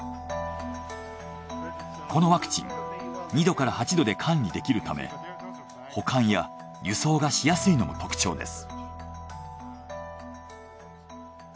このワクチン２℃から８℃で管理できるため保管や輸送がしやすいのも特徴です。